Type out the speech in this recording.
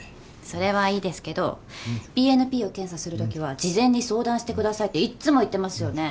それはいいですけどＢＮＰを検査するときは事前に相談してくださいっていっつも言ってますよね？